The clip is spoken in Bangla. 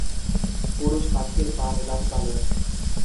পুরুষ পাখির পা নীলাভ-কালো।